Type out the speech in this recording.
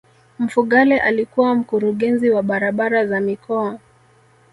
mfugale alikuwa mkurugenzi wa barabara za mikoa